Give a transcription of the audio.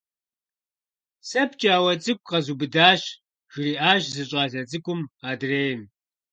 Сэ пкӏауэ цӏыкӏу къзубыдащ! – жриӏащ зы щӏалэ цӏыкӏум адрейм.